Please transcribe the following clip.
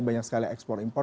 banyak sekali ekspor impor